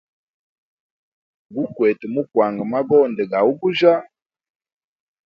Gu kwete mu kwanga magonde ga ugujya.